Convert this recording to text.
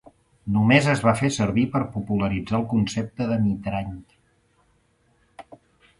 Només es va fer servir per popularitzar el concepte de Mitrany.